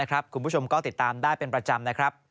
คุณผู้ชมก็ติดตามได้เป็นประจำนะครับ